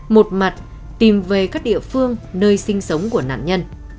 một mặt tìm về các địa phương nơi sinh sống của nạn nhân